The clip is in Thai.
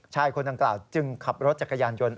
คนดังกล่าวจึงขับรถจักรยานยนต์